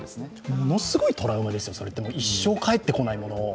ものすごいトラウマです、一生帰ってこないもの。